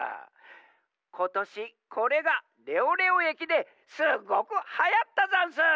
ことしこれがレオレオえきですっごくはやったざんす。